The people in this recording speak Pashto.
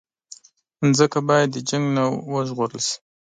مځکه باید د جنګ نه وژغورل شي.